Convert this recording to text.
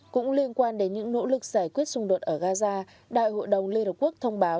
cũng liên quan đến những nỗ lực giải quyết xung đột ở gaza đại hội đồng liên hợp quốc thông báo